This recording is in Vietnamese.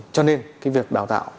cho nên cái việc đào tạo